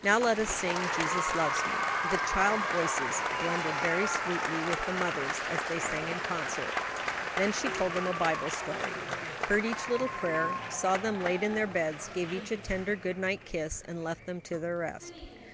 "Now let us sing, 'Jesus loves me.'" The child voices blended very sweetly with the mother's as they sang in concert; then she told them a Bible story, heard each little prayer, saw them laid in their beds, gave each a tender good night kiss, and left them to their rest.